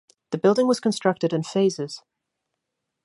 The building was constructed in phases.